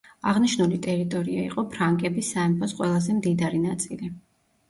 აღნიშნული ტერიტორია იყო ფრანკების სამეფოს ყველაზე მდიდარი ნაწილი.